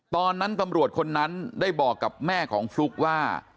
ตอนนั้นตำรวจคนนั้นได้บอกกับแม่ของฟลุ๊กว่า